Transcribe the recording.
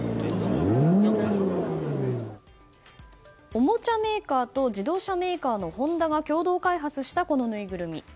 おもちゃメーカーと自動車メーカーのホンダが共同開発した、このぬいぐるみ。